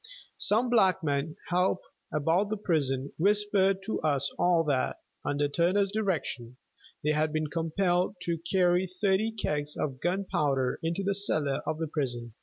Some negro help about the prison whispered to us all that, under Turner's direction, they had been compelled to carry thirty kegs of gunpowder into the cellar of the prison.